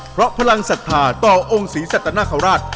เพราะพลังศรัทธาต่อองค์ศรีสัตนคราช